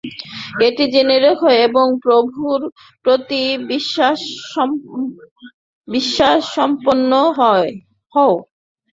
এইটি জেনে রাখ, এবং প্রভুর প্রতি বিশ্বাসসম্পন্ন হও।